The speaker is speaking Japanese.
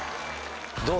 どう？